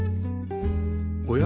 おや？